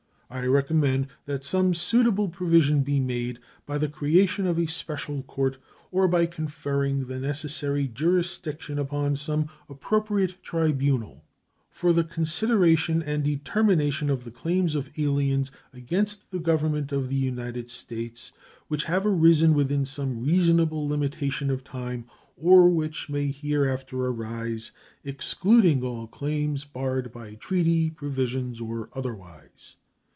I recommend that some suitable provision be made, by the creation of a special court or by conferring the necessary jurisdiction upon some appropriate tribunal, for the consideration and determination of the claims of aliens against the Government of the United States which have arisen within some reasonable limitation of time, or which may hereafter arise, excluding all claims barred by treaty provisions or otherwise.